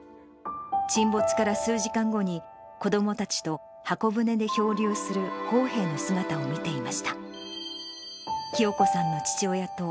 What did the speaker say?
沈没から数時間後に、子どもたちと箱舟で漂流する砲兵の姿を見ていました。